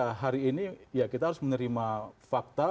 nah hari ini ya kita harus menerima fakta